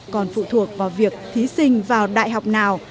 còn phụ thuộc vào việc thí sinh vào đại học nào